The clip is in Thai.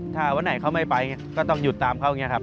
ถ้าเวลาไม่เป็นต้องหยุดตามเขา